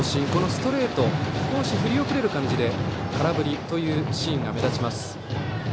ストレートに少し振り遅れる感じで空振りというシーンが目立ちます。